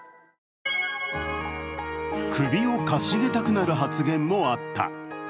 首をかしげたくなる発言もあった。